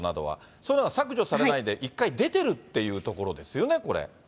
そういうのは削除されないで、一回出てるっていうところですよね、これ。